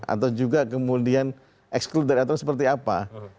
atau juga kemudian exclude dari aturan seperti apa